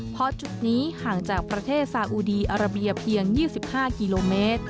เพราะจุดนี้ห่างจากประเทศสาอุดีอาราเบียเพียง๒๕กิโลเมตร